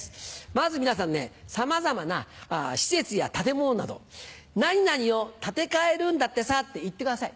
まず皆さんねさまざまな施設や建物など「何々を建て替えるんだってさ」って言ってください。